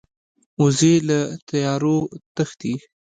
وزې له تیارو تښتي